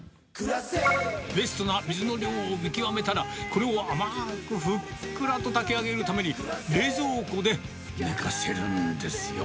ベストな水の量を見極めたら、これを甘ーくふっくらと炊き上げるために、冷蔵庫で寝かせるんですよ。